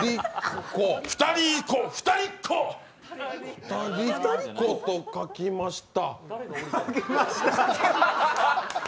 二人子と書きました。